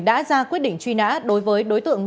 đã ra quyết định truy nã đối với đối tượng